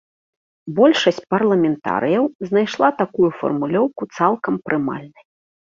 Большасць парламентарыяў знайшла такую фармулёўку цалкам прымальнай.